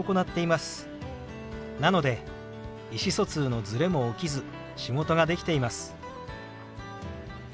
なので意思疎通のズレも起きず仕事ができています。